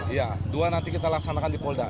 iya dua nanti kita laksanakan di polda